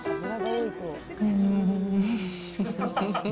うーん。